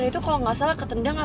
ian bakal betah di rumah